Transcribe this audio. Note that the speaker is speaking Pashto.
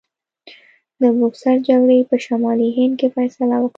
د بوکسر جګړې په شمالي هند کې فیصله وکړه.